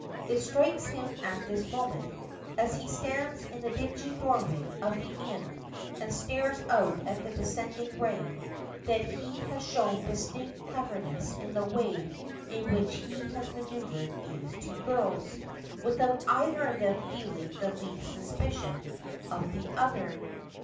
It strikes him at this moment, as he stands in the dingy doorway of the inn and stares out at the descending rain, that he has shown distinct cleverness in the way in which he has manoeuvred these two girls, without either of them feeling the least suspicion of the other.